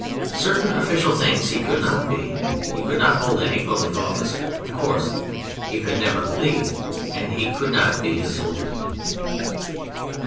Certain official things he could not be; he could not hold any public office, of course; he could never plead; and he could not be a soldier.